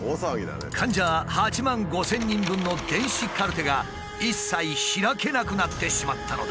患者８万５千人分の電子カルテが一切開けなくなってしまったのだ。